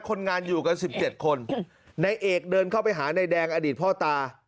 คนงานอยู่กัน๑๗คนนายเอกเดินเข้าไปหาในแดงอดีตพ่อตา